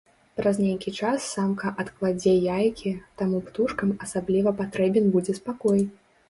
Праз нейкі час самка адкладзе яйкі, таму птушкам асабліва патрэбен будзе спакой.